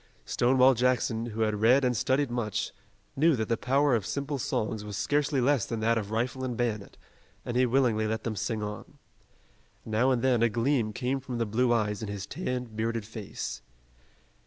Stonewall Jackson, who had read and studied much, knew that the power of simple songs was scarcely less than that of rifle and bayonet, and he willingly let them sing on. Now and then, a gleam came from the blue eyes in his tanned, bearded face.